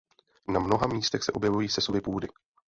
Na mnoha místech se objevují sesuvy půdy.